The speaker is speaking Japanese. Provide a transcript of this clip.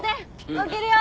起きるよ！